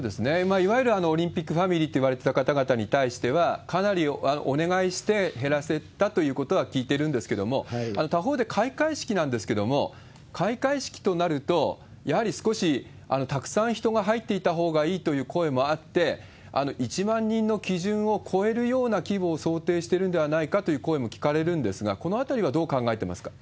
いわゆるオリンピックファミリーといわれてた方々に対してはかなりお願いして減らせたということは聞いてるんですけれども、他方で、開会式なんですけれども、開会式となると、やはり少し、たくさん人が入っていたほうがいいという声もあって、１万人の基準を超えるような規模を想定してるんではないかという声も聞かれるんですが、このあたりはどう考えてますか？